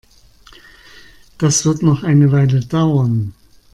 Das wird noch eine Weile dauern.